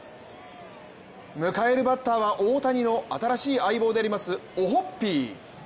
迎えるバッターは大谷の新しい相棒でありますオホッピー。